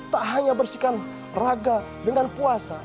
tak hanya bersihkan raga dengan puasa